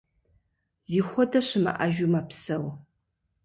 Зихуэдэ щымыӏэжу мэпсэу.